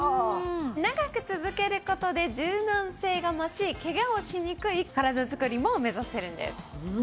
長く続ける事で柔軟性が増しケガをしにくい体づくりも目指せるんです。